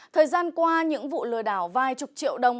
thời gian qua những vụ lừa đảo vài chục triệu đồng